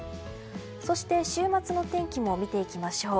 そして、週末の天気も見ていきましょう。